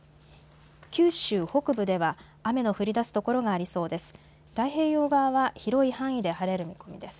九州北部では雨の降りだす所がありそうです。